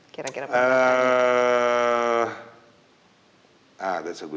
kira kira pengen apa